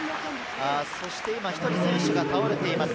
１人、選手が倒れています。